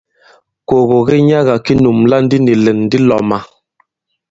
Kògò ki nyaga ki nùmblà ndi nì ìlɛ̀n di lɔ̄mā.